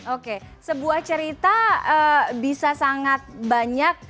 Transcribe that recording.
oke sebuah cerita bisa sangat banyak